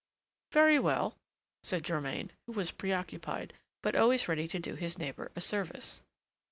"Very well," said Germain, who was preoccupied, but always ready to do his neighbor a service.